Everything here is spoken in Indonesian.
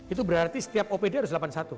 itu berarti setiap opd harus delapan puluh satu